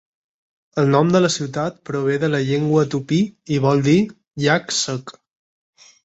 El nom de la ciutat prové de la llengua tupí i vol dir "llac sec".